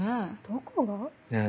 どこが？何？